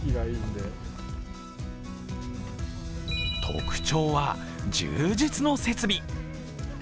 特徴は充実の設備。